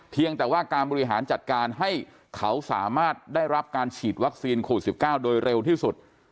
เพียงแต่ว่าการบริหารจัดการให้เขาสามารถได้รับการฉีดวัคซีนโควิด๑๙โดยเร็วที่สุด